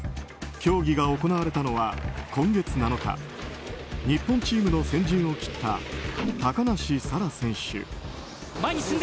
競技が行われたのは今月７日日本チームの先陣を切った高梨沙羅選手。